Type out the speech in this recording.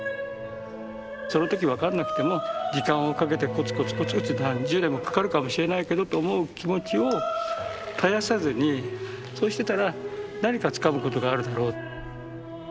その時分かんなくても時間をかけてコツコツコツコツ何十年もかかるかもしれないけどと思う気持ちを絶やさずにそうしてたら何かつかむことがあるだろう。